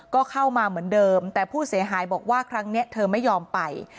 ก็เข้ามาเหมือนเดิมแต่ผู้เสียหายบอกว่าครั้งนี้เธอไม่ยอมไป